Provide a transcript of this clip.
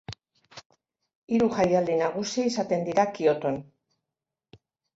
Hiru jaialdi nagusi izaten dira Kyoton.